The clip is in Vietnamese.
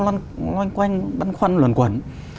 loanh quanh băn khoăn luồn quẩn